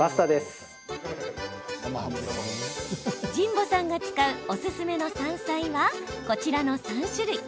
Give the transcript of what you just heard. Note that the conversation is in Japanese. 神保さんが使うオススメの山菜はこちらの３種類。